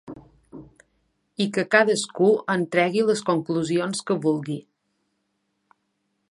I que cadascú en tregui les conclusions que vulgui.